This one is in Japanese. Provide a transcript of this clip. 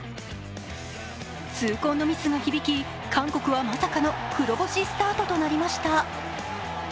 痛恨のミスが響、韓国はまさかの黒星スタートとなりました。